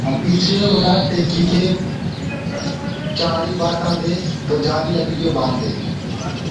پڇي اُنآ ٽيڪيٚ ڪي چآرئي پآسي دي جآڏي لڪڙيونٚ باندآ هينٚ